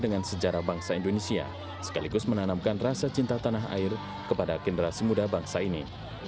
dan juga dengan sejarah bangsa indonesia sekaligus menanamkan rasa cinta tanah air kepada generasi muda bangsa ini